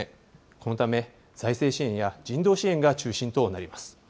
このため、財政支援や人道支援が中心となります。